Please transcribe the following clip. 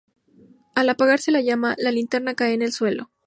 Al apagarse la llama, la linterna cae en el suelo.